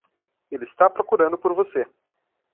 Ele está procurando por você.